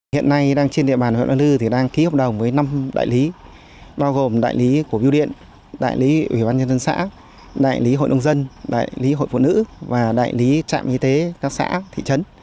hiện nay đang trên địa bàn hội đoàn lư thì đang ký hợp đồng với năm đại lý bao gồm đại lý của biêu điện đại lý ủy ban nhân dân xã đại lý hội nông dân đại lý hội phụ nữ và đại lý trạm y tế các xã thị trấn